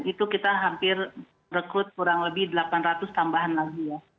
itu kita hampir rekrut kurang lebih delapan ratus tambahan lagi ya